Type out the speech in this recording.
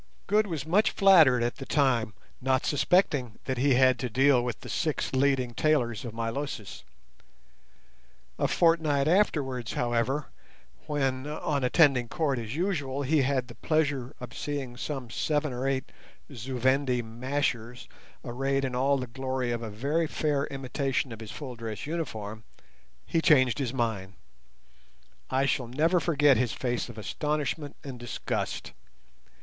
Good was much flattered at the time, not suspecting that he had to deal with the six leading tailors of Milosis. A fortnight afterwards, however, when on attending court as usual he had the pleasure of seeing some seven or eight Zu Vendi "mashers" arrayed in all the glory of a very fair imitation of his full dress uniform, he changed his mind. I shall never forget his face of astonishment and disgust.